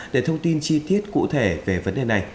để thông tin chi tiết cụ thể về vấn đề này